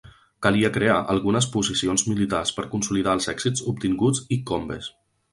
Calia crear algunes posicions militars per consolidar els èxits obtinguts i Combes.